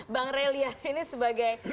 bang relia ini sebagai